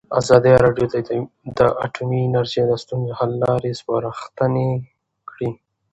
ازادي راډیو د اټومي انرژي د ستونزو حل لارې سپارښتنې کړي.